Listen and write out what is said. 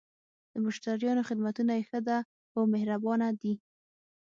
د مشتریانو خدمتونه یی ښه ده؟ هو، مهربانه دي